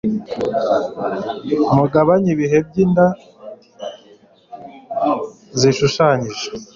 mugabanye ibihe by'inda zishushanyije